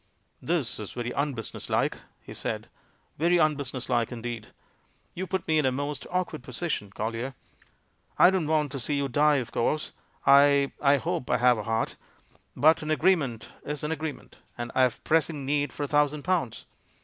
"This is very unbusiness like," he said, "very unbusiness like indeed You put me in a most awkward position, Collier. I don't want to see you die, of course — I — I hope I have a heart — but an agreement is an agreement, and I have pressing need for a thousand pounds.